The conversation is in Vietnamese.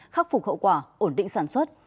khắc phục hậu quả ổn định sản xuất